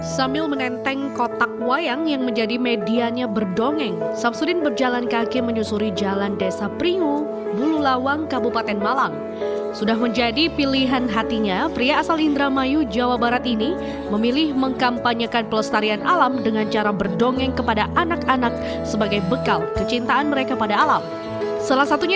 sampai jumpa di video selanjutnya